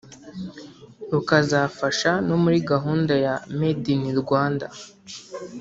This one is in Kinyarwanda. rukazafasha no muri gahunda ya ‘Made in Rwanda